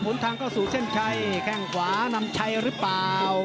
นทางเข้าสู่เส้นชัยแข้งขวานำชัยหรือเปล่า